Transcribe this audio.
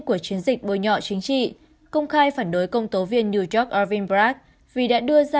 của chiến dịch bôi nhọ chính trị công khai phản đối công tố viên new york alvin bragg vì đã đưa